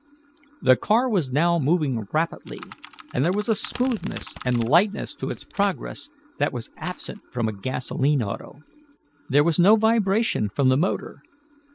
The car was now moving rapidly, and there was a smoothness and lightness to its progress that was absent from a gasolene auto. There was no vibration from the motor.